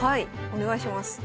お願いします。